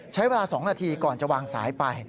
ใช้เวลา๒นาทีก่อนจะวางสายไป